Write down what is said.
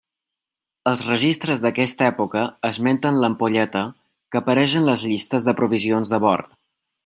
Els registres d'aquesta època esmenten l'ampolleta, que apareix en les llistes de provisions de bord.